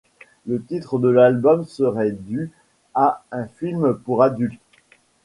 Le titre de l'album serait dû à un film pour adultes.